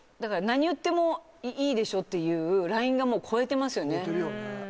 何言ってもいいでしょうっていうラインが越えてましたよね。